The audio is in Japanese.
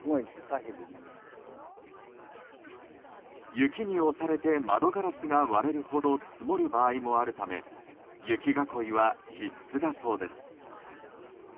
雪に押されて窓ガラスが割れるほど積もる場合もあるため雪囲いは必須だそうです。